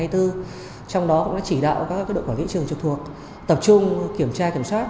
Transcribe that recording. trong đó cũng đã chỉ đạo các đội quản lý trường trực thuộc tập trung kiểm tra kiểm soát